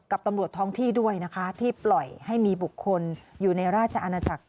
กับตำรวจท้องที่ด้วยนะคะที่ปล่อยให้มีบุคคลอยู่ในราชอาณาจักร